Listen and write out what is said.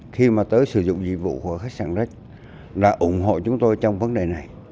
khi mà tới sử dụng dịch vụ của khách sạn rec là ủng hộ chúng tôi trong vấn đề này